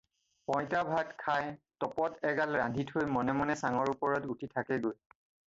পঁইতা ভাত খাই তপত এগাল ৰান্ধি থৈ মনে মনে চাঙৰ ওপৰত উঠি থাকেগৈ।